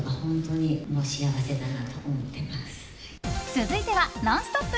続いては「ノンストップ！」